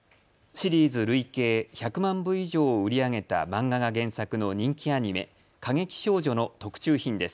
シリーズ累計１００万部以上を売り上げた漫画が原作の人気アニメ、かげきしょうじょ！！の特注品です。